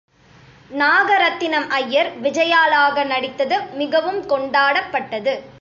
நாகரத்தினம் ஐயர் விஜயாளாக நடித்தது மிகவும் கொண்டாடப்பட்டது.